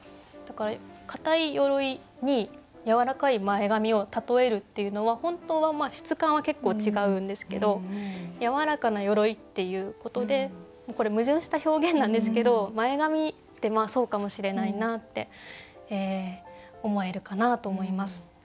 だから硬い鎧にやわらかい前髪を例えるっていうのは本当は質感は結構違うんですけど「やわらかな鎧」っていうことでこれ矛盾した表現なんですけど前髪ってそうかもしれないなって思えるかなと思います。